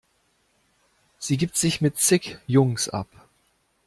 Sie gibt sich mit zig Jungs ab.